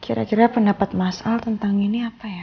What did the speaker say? kira kira pendapat masal tentang ini apa ya